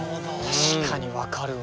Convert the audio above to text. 確かに分かるわ。